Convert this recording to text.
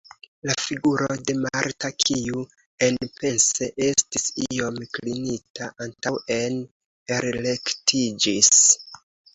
La figuro de Marta, kiu enpense estis iom klinita antaŭen, elrektiĝis.